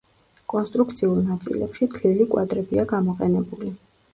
კონსტრუქციულ ნაწილებში თლილი კვადრებია გამოყენებული.